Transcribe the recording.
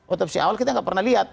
otopsi awal kita nggak pernah lihat